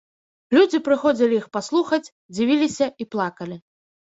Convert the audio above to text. Людзі прыходзілі іх паслухаць, дзівіліся і плакалі.